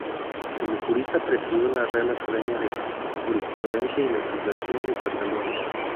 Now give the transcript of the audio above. Como jurista presidió la Real Academia de Jurisprudencia y Legislación de Cataluña.